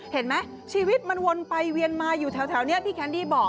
เห็นไหมชีวิตมันวนไปเวียนมาอยู่แถวนี้พี่แคนดี้บอก